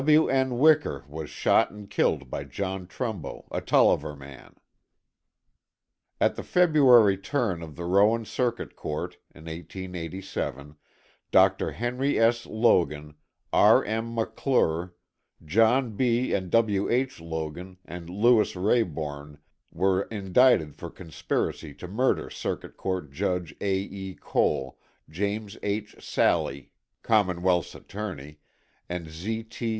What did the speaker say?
W. N. Wicher was shot and killed by John Trumbo, a Tolliver man. At the February term of the Rowan Circuit Court (1887) Dr. Henry S. Logan, R. M. McClure, John B. and W. H. Logan and Lewis Rayborn, were indicted for conspiracy to murder Circuit Court Judge A. E. Cole, James H. Sallee, Commonwealth's Attorney, and Z. T.